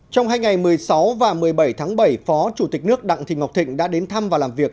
trong hai ngày một mươi sáu và một mươi bảy tháng bảy phó chủ tịch nước đặng thị ngọc thịnh đã đến thăm và làm việc